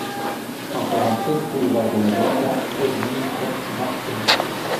cent quarante-sept boulevard de la Blancarde, treize mille quatre Marseille